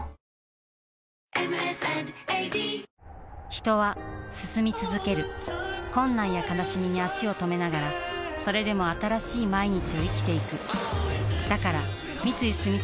人は進み続ける困難や悲しみに足を止めながらそれでも新しい毎日を生きていくだから三井住友海上は